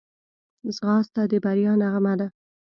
ځغاسته د بریا نغمه ده